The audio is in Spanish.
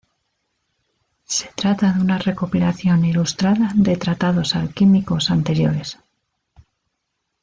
Se trata de una recopilación ilustrada de tratados alquímicos anteriores.